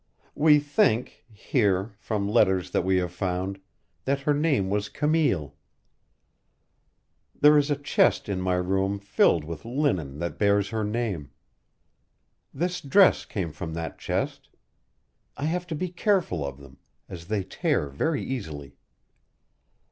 We think here from letters that we have found, that her name was Camille. There is a chest in my room filled with linen that bears her name. This dress came from that chest. I have to be careful of them, as they tear very easily.